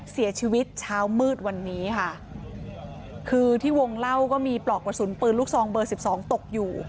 เสียชีวิตเช้ามืดวันนี้ค่ะคือที่วงเล่าก็มีปลอกกระสุนปืนลูกซองเบอร์สิบสองตกอยู่